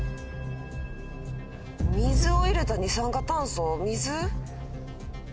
水を入れた二酸化炭素？水？